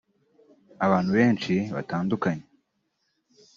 abantu benshi batandukanye